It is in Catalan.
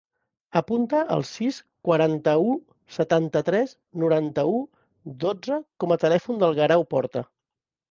Apunta el sis, quaranta-u, setanta-tres, noranta-u, dotze com a telèfon del Guerau Porta.